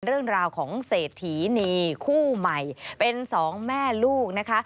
เรื่องราวของเศรษฐีนีคู่ใหม่เป็นสองแม่ลูกนะคะ